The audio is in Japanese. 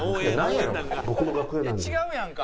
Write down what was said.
違うやんか。